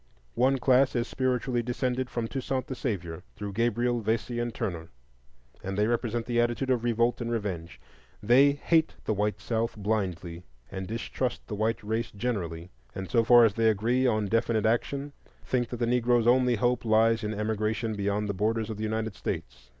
One class is spiritually descended from Toussaint the Savior, through Gabriel, Vesey, and Turner, and they represent the attitude of revolt and revenge; they hate the white South blindly and distrust the white race generally, and so far as they agree on definite action, think that the Negro's only hope lies in emigration beyond the borders of the United States.